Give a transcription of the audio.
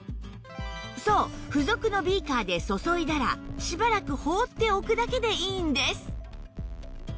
そう付属のビーカーで注いだらしばらく放っておくだけでいいんです